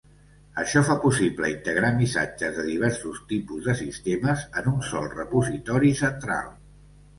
Això fa possible integrar missatges de diversos tipus de sistemes en un sol repositori central.